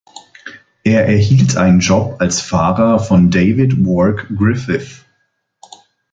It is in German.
Er erhielt einen Job als Fahrer von David Wark Griffith.